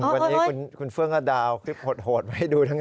วันนี้คุณเฟื่องอดาวคลิปโหดไปดูด้วยกัน